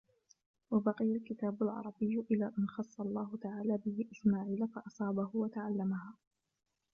وَبَقِيَ الْكِتَابُ الْعَرَبِيُّ إلَى أَنْ خَصَّ اللَّهُ تَعَالَى بِهِ إسْمَاعِيلَ فَأَصَابَهُ وَتَعَلَّمَهَا